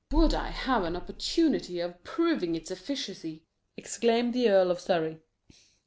"Would I had an opportunity of proving its efficacy!" exclaimed the Earl of Surrey.